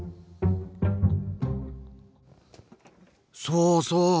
そうそう！